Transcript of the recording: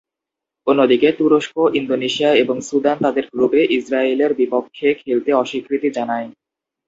অন্যদিকে তুরস্ক, ইন্দোনেশিয়া এবং সুদান তাদের গ্রুপে ইসরায়েলের বিপক্ষে খেলতে অস্বীকৃতি জানায়।